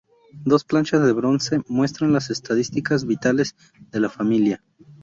Dos planchas de bronce muestran las estadísticas vitales de la familia.